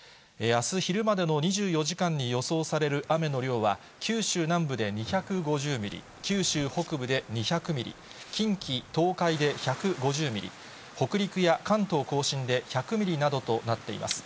あす昼までの２４時間に予想される雨の量は、九州南部で２５０ミリ、九州北部で２００ミリ、近畿、東海で１５０ミリ、北陸や関東甲信で１００ミリなどとなっています。